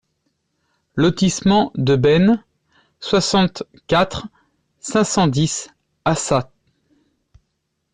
Lotissement de Bayne, soixante-quatre, cinq cent dix Assat